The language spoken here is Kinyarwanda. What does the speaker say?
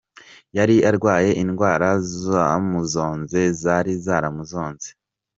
yari arwaye indwara zamuzonze zari zaramuzonze.